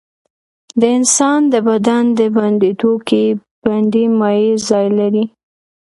د انسان د بدن په بندونو کې بندي مایع ځای لري.